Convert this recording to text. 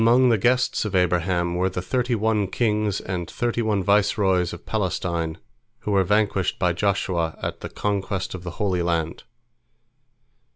Among the guests of Abraham were the thirty one kings and thirty one viceroys of Palestine who were vanquished by Joshua at the conquest of the Holy Land.